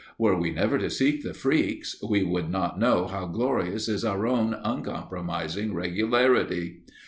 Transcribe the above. Were we never to see the freaks, we would not know how glorious is our own uncompromising regularity.